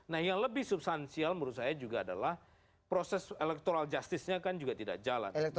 nah yang lebih substansial menurut saya juga adalah proses electoral justice nya kan juga tidak jalan